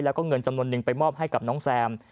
แล้วก็เงินจำนวนนึงไปมอบให้กับน้องแซม